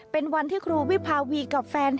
เป็นวันที่ครูวิภาวีกับแฟน